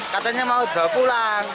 katanya mau dibawa pulang